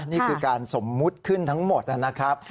นี่คือการสมมุติขึ้นทั้งหมดนะครับ